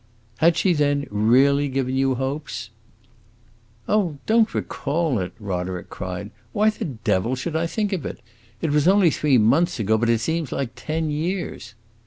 "Had she, then, really given you hopes?" "Oh, don't recall it!" Roderick cried. "Why the devil should I think of it? It was only three months ago, but it seems like ten years."